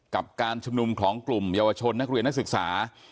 กับการชุมนุมของกลุ่มเยาวชนนักเรียนนักศึกษา